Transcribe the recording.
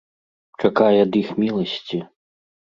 Чакай ад іх міласці.